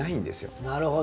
なるほど。